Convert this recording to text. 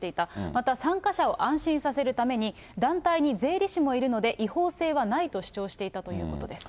また参加者を安心させるために、団体に税理士もいるので、違法性はないと主張していたということです。